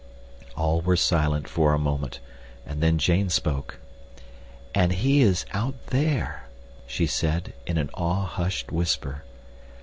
All were silent for a moment, and then Jane spoke. "And he is out there," she said, in an awe hushed whisper.